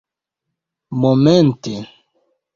momente